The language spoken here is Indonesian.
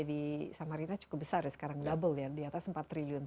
kalau kita lihat apbd di samarinda cukup besar ya sekarang double ya diatas empat triliun